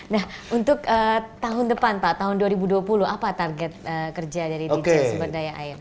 nah untuk tahun depan pak tahun dua ribu dua puluh apa target kerja dari dinas sumber daya air